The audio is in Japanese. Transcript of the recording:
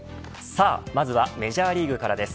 まずはメジャーリーグからです。